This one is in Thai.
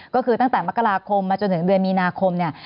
ก็คือตั้งแต่มกราคมมาจนถึงเดือนมีนาคมเนี่ย